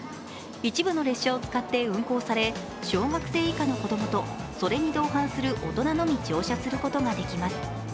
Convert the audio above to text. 一部の列車を使って運行され、小学生以下の子供とそれに同伴する大人のみ乗車することができます。